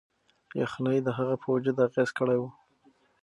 یخنۍ د هغه په وجود اغیز کړی و.